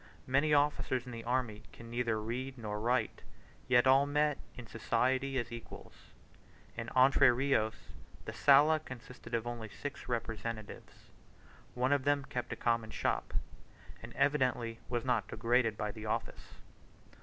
Many officers in the army can neither read nor write, yet all meet in society as equals. In Entre Rios, the Sala consisted of only six representatives. One of them kept a common shop, and evidently was not degraded by the office.